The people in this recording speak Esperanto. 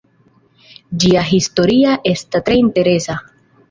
Ĝia historia esta tre interesa.